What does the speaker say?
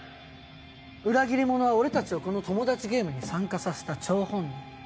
裏切り者は俺たちをこのトモダチゲームに参加させた張本人。